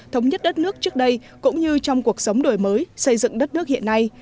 thống nhất đất nước trước đây cũng như trong cuộc sống đổi mới xây dựng đất nước hiện nay